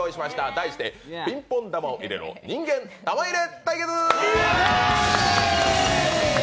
題して「ピンポン玉を入れろ！人間玉入れ対決！」